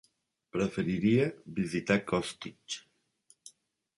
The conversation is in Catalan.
Preferiria visitar Costitx.